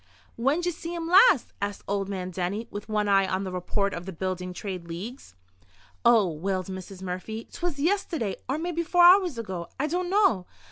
"When'd ye see him last?" asked old man Denny, with one eye on the report of the Building Trades League. "Oh," wailed Mrs. Murphy, "'twas yisterday, or maybe four hours ago! I dunno.